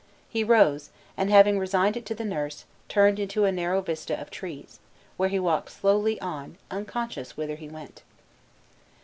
He rose, and having resigned it to the nurse, turned into a narrow vista of trees, where he walked slowly on, unconscious whither he went.